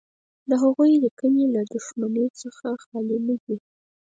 د هغوی لیکنې له دښمنۍ څخه خالي نه دي.